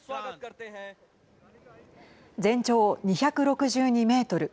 全長２６２メートル。